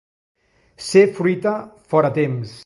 Ser fruita fora temps.